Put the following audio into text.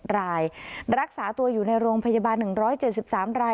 รายรักษาตัวอยู่ในโรงพยาบาล๑๗๓ราย